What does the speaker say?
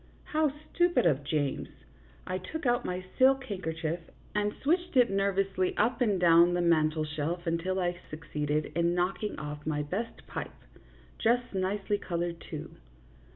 How stupid of James ! I took out my silk handkerchief and switched it nervously up and down the mantel shelf until I suc ceeded in knocking off my best pipe just nicely colored, too.